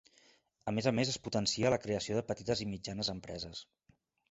A més a més es potencia la creació de petites i mitjanes empreses.